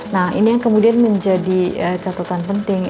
nah ini yang kemudian menjadi catatan penting